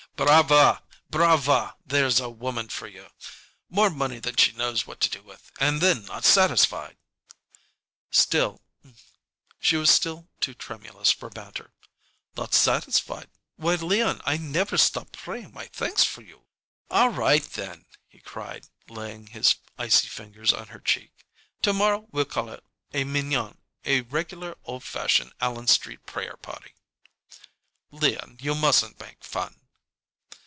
"Brava! Brava! There's a woman for you. More money than she knows what to do with, and then not satisfied!" She was still too tremulous for banter. "'Not satisfied'? Why, Leon, I never stop praying my thanks for you!" "All right, then," he cried, laying his icy fingers on her cheek; "to morrow we'll call a mignon a regular old fashioned Allen Street prayer party." "Leon, you mustn't make fun."